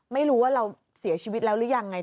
ไม่รู้ว่าเราเสียชีวิตแล้วหรือยังไง